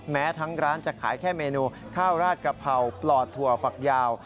แม้ทั้งร้านจะขายแค่เมนูข้าวราดกะเพราปลอดถั่วฝักยาว